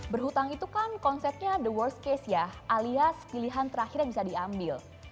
berhutang itu kan konsepnya the worst case ya alias pilihan terakhir yang bisa diambil